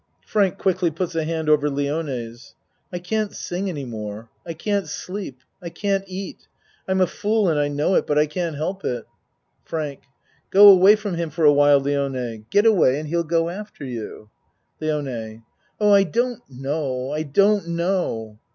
(Frank quickly puts a hand over Lione's.) I can't sing any more. I can't sleep. I can't eat. I'm a fool and I know it, but I can't help it. FRANK Go away from him for awhile, Lione, get away and he'll go after you. LIONE Oh, I don't know. I don't know.